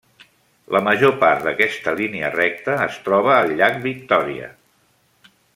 La major part d'aquesta línia recta es troba al Llac Victòria.